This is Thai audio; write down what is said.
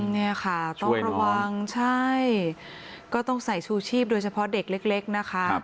นี่ค่ะต้องระวังใช่ก็ต้องใส่ชูชีพโดยเฉพาะเด็กเล็กนะคะ